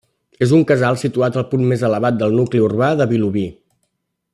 És un casal situat al punt més elevat del nucli urbà de Vilobí.